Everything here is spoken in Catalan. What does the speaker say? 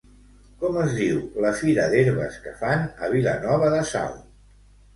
Com es diu la fira d'herbes que fan a Vilanova de Sau?